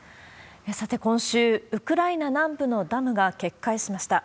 さて、今週、ウクライナ南部のダムが決壊しました。